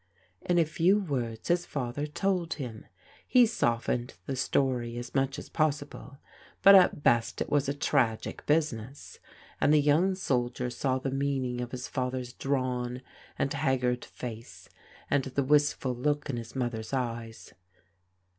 In a few words, his father told him. He softened the story as much as possible, but at best it was a tragic business, and the young soldier saw the meaning of his father's drawn and haggard face, and the wistful look in his mother's eyes.